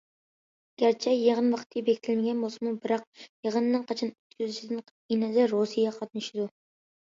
گەرچە يىغىن ۋاقتى بېكىتىلمىگەن بولسىمۇ، بىراق يىغىننىڭ قاچان ئۆتكۈزۈلۈشىدىن قەتئىينەزەر رۇسىيە قاتنىشىدۇ.